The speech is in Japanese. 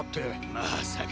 まさか。